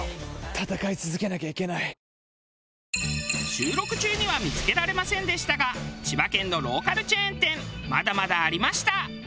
収録中には見付けられませんでしたが千葉県のローカルチェーン店まだまだありました。